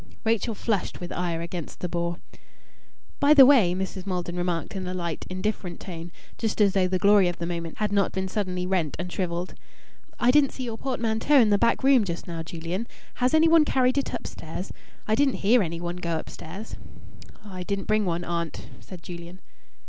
Rachel flushed with ire against the boor. "By the way," Mrs. Maldon remarked in a light, indifferent tone, just as though the glory of the moment had not been suddenly rent and shrivelled. "I didn't see your portmanteau in the back room just now, Julian. Has any one carried it upstairs? I didn't hear any one go upstairs." "I didn't bring one, aunt," said Julian.